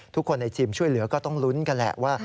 ทุกคนในทีมช่วยเหลือก็ต้องลุ้นกันแหละว่า